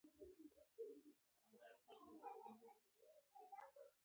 جانداد د مثبت ژوند پلوی دی.